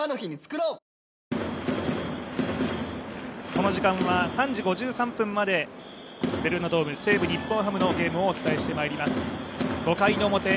この時間は３時５３分まで、ベルーナドーム、西武×日本ハムの試合をお送りしていきます。